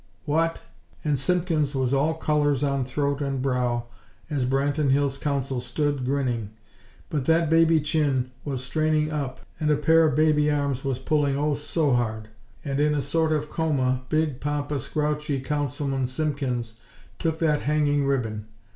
"What!!" and Simpkins was all colors on throat and brow as Branton Hills' Council stood, grinning. But that baby chin was straining up, and a pair of baby arms was pulling, oh, so hard; and, in a sort of coma, big, pompous, grouchy Councilman Simpkins took that hanging ribbon!